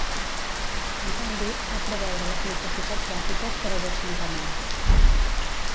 En canvi, va preveure les necessitats bàsiques per a dos campaments.